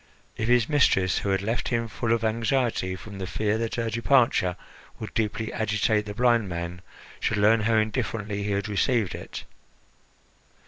If his mistress, who had left him full of anxiety from the fear that her departure would deeply agitate the blind man, should learn how indifferently he had received it!